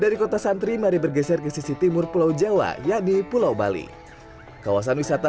dari kota santri mari bergeser ke sisi timur pulau jawa yakni pulau bali kawasan wisata